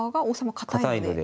堅いので。